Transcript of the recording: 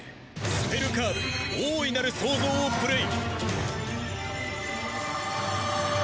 スペルカード大いなる創造をプレイ。